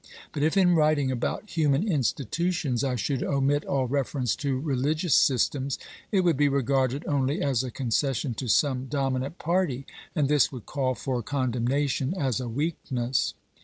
But if in writing about human institutions I should omit all reference to religious systems, it would be regarded only as a concession to some dominant party, and this would call for condemnation as a weakness.